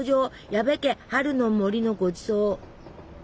矢部家春の森のごちそう！